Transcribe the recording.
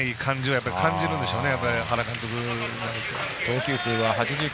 やっぱり感じるんでしょうね